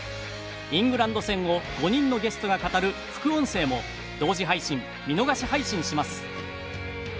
イングランド戦を５人のゲストが語る、副音声も同時配信・見逃し配信します。